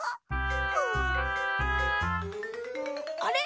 あれ？